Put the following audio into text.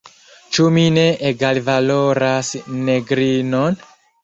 Ĉu mi ne egalvaloras negrinon?